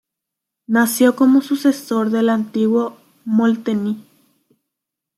Nació como sucesor del antiguo Molteni.